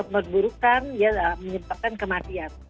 menurut burukan ya menyimpatkan kematian